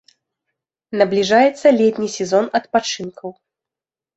Набліжаецца летні сезон адпачынкаў.